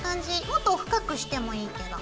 もっと深くしてもいいけど。